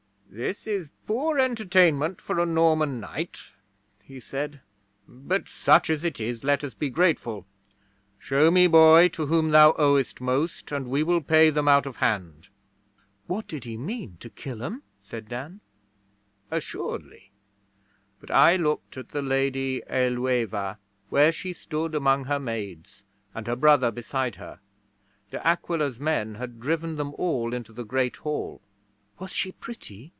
'"This is poor entertainment for a Norman knight," he said, "but, such as it is, let us be grateful. Show me, boy, to whom thou owest most, and we will pay them out of hand."' 'What did he mean? To kill 'em?' said Dan. 'Assuredly. But I looked at the Lady Ælueva where she stood among her maids, and her brother beside her. De Aquila's men had driven them all into the Great Hall.' 'Was she pretty?'